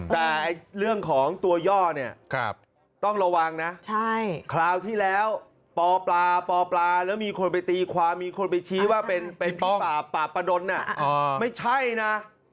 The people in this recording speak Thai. แต่เรื่องของตัวย่อเนี่ยต้องระวังนะคราวที่แล้วปปลาปปลาแล้วมีคนไปตีความมีคนไปชี้ว่าเป็นป่าปราบประดนไม่ใช่นะ